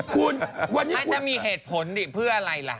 คุณวันนี้มีเหตุผลดิเพื่ออะไรล่ะ